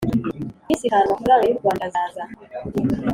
iminsi itanu amafaranga y u Rwanda azaza